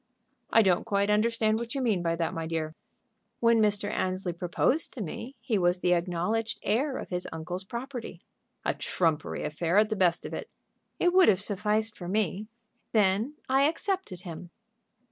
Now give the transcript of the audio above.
"I don't quite understand what you mean by that, my dear." "When Mr. Annesley proposed to me he was the acknowledged heir to his uncle's property." "A trumpery affair at the best of it." "It would have sufficed for me. Then I accepted him."